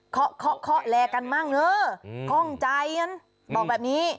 เคาะเคาะเคาะแลกันบ้างเออคล่องใจอ่ะบอกแบบนี้